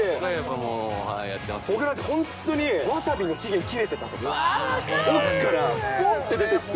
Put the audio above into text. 僕ら、本当にわさびの期限、切れてたりとか、奥からぽんって出てきて。